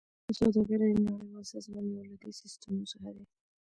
د سوداګرۍ نړیوال سازمان یو له دې سیستمونو څخه دی